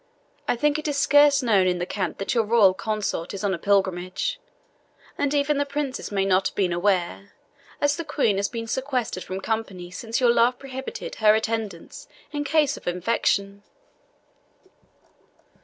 I think it is scarce known in the camp that your royal consort is on a pilgrimage; and even the princes may not have been aware, as the Queen has been sequestered from company since your love prohibited her attendance in case of infection."